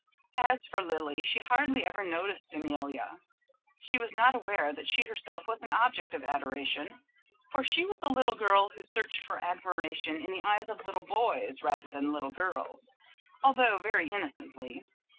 As for Lily, she hardly ever noticed Amelia. She was not aware that she herself was an object of adoration; for she was a little girl who searched for admiration in the eyes of little boys rather than little girls, although very innocently.